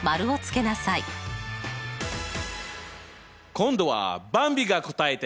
今度はばんびが答えて。